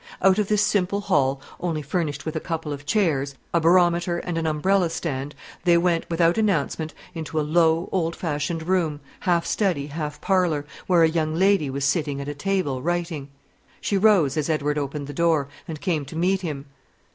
Out of this simple hall, only furnished with a couple of chairs, a barometer, and an umbrella stand, they went, without announcement, into a low, old fashioned room, half study, half parlour, where a young lady was sitting at a table writing. She rose as Edward opened the door, and came to meet him.